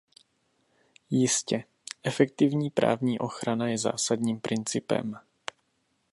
Jistě, efektivní právní ochrana je zásadním principem.